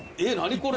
これ。